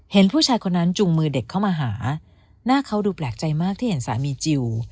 เห็นผู้ชายคนนั้นจุงมือเด็กเข้ามาหาหน้าเขาดูแปลกใจมากที่เห็นสามีจิล